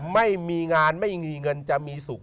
ไม่มีงานไม่มีเงินจะมีสุข